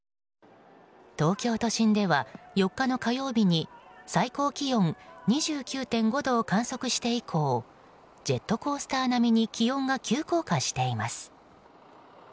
東京都心では４日の火曜日に最高気温が２９．５度を観測して以降ジェットコースター並みに気温が急降下しています。